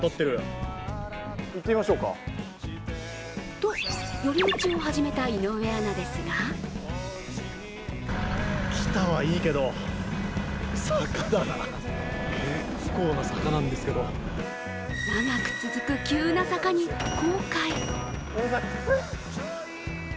と、寄り道を始めた井上アナですが長く続く急な坂に後悔。